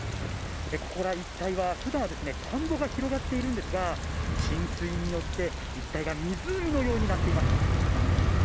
ここら一帯は、普段は田んぼが広がっているんですが浸水によって一帯が湖のようになっています。